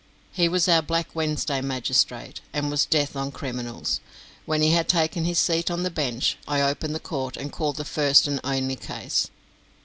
He was our Black Wednesday magistrate, and was death on criminals. When he had taken his seat on the bench, I opened the court, and called the first and only case.